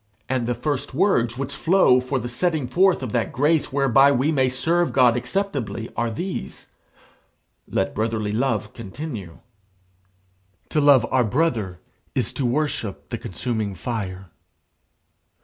And the first words which follow for the setting forth of that grace whereby we may serve God acceptably are these "Let brotherly love continue." To love our brother is to worship the Consuming Fire.